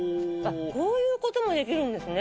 こういう事もできるんですね。